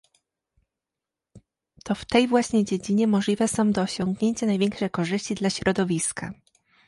To w tej właśnie dziedzinie możliwe są do osiągnięcia największe korzyści dla środowiska